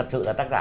cái này tác giả